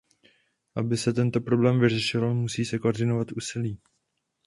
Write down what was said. Aby se tento problém vyřešil, musí se koordinovat úsilí.